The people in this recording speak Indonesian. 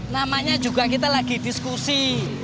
namanya juga kita lagi diskusi